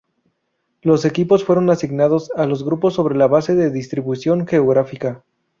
Los equipos fueron asignados a los grupos sobre la base de distribución geográfica.